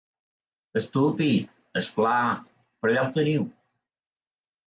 Estúpid, és clar, però allà ho teniu.